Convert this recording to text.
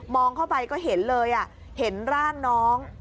องเข้าไปก็เห็นเลยเห็นร่างน้อง